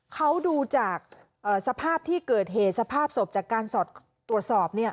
เขาดูจากสภาพที่เกิดเหตุสภาพศพจากการตรวจสอบ